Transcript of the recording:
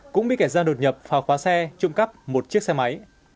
cũng bị kẻ gian đột nhập vào khóa xe trộm cắp một chiếc xe máy